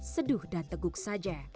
seduh dan teguk saja